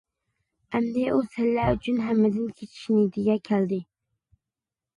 ئەمدى ئۇ، سەللە ئۈچۈن ھەممىدىن كېچىش نىيىتىگە كەلگەنىدى.